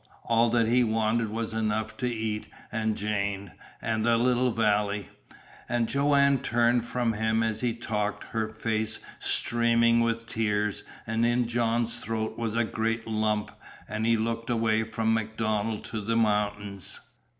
All that he wanted was enough to eat, and Jane, and the little valley. And Joanne turned from him as he talked, her face streaming with tears, and in John's throat was a great lump, and he looked away from MacDonald to the mountains.